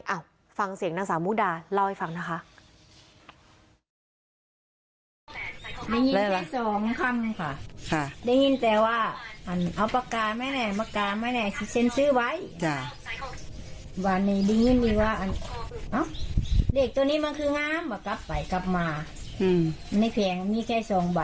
ฟังเสียงนางสาวมุดาเล่าให้ฟังนะคะ